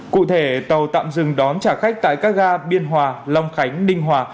cụ thể tàu tạm dừng đón trả khách tại các ga biên hòa long khánh ninh hòa